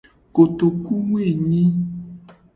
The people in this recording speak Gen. Kotokuwoenyi.